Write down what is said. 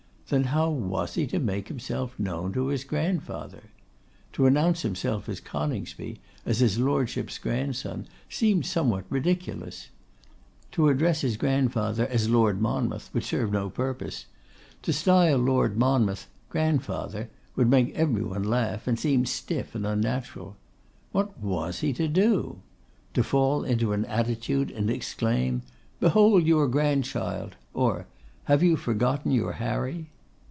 Then how was he to make himself known to his grandfather? To announce himself as Coningsby, as his Lordship's grandson, seemed somewhat ridiculous: to address his grandfather as Lord Monmouth would serve no purpose: to style Lord Monmouth 'grandfather' would make every one laugh, and seem stiff and unnatural. What was he to do? To fall into an attitude and exclaim, 'Behold your grandchild!' or, 'Have you forgotten your Harry?